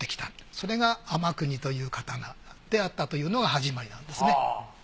それが天國という刀であったというのが始まりなんですね。